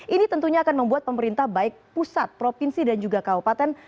ini tentunya akan membuat pemerintah baik pusat provinsi dan juga kabupaten